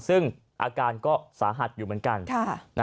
ซึ่งอาการก็สาหัสอยู่เหมือนกัน